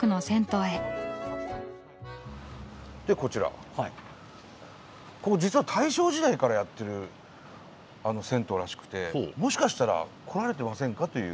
ここ実は大正時代からやってる銭湯らしくてもしかしたら来られてませんかという。